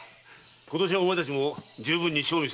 今年はお前たちも充分に賞味するがよいぞ。